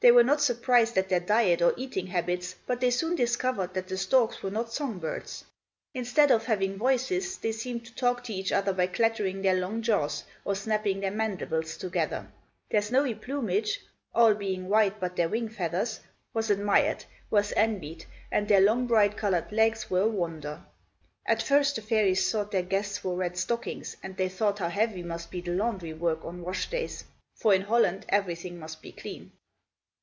They were not surprised at their diet, or eating habits, but they soon discovered that the storks were not song birds. Instead of having voices, they seemed to talk to each other by clattering their long jaws, or snapping their mandibles together. Their snowy plumage all being white but their wing feathers was admired, was envied, and their long bright colored legs were a wonder. At first the fairies thought their guests wore red stockings and they thought how heavy must be the laundry work on wash days; for in Holland, everything must be clean.